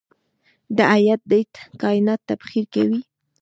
د هیټ ډیت کائنات تبخیر کوي.